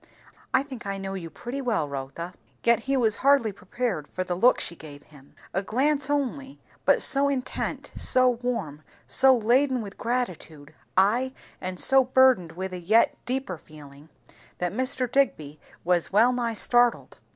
I think I know you pretty well, Rotha." Yet he was hardly prepared for the look she gave him; a glance only, but so intent, so warm, so laden with gratitude, ay, and so burdened with a yet deeper feeling, that Mr. Digby was well nigh startled.